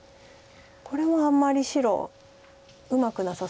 これはあんまり白うまくなさそうです。